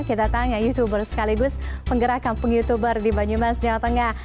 kita tanya youtuber sekaligus penggerak kampung youtuber di banyumas jawa tengah